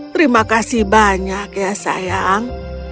terima kasih banyak ya sayang